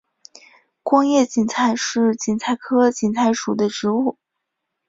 光叶堇菜是堇菜科堇菜属的植物。